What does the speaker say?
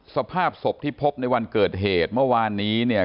สภาพศพที่พบในวันเกิดเหตุเมื่อวานนี้เนี่ย